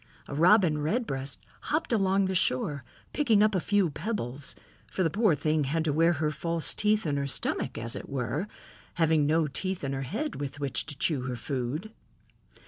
A Robin Redbreast hopped along the shore, picking up a few pebbles, for the poor thing has to wear her false teeth in her stomach, as it were, having no teeth in her head with which to chew her food.